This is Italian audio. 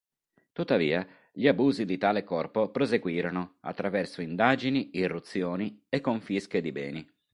Tuttavia, gli abusi di tale corpo proseguirono, attraverso indagini, irruzioni, e confische di beni.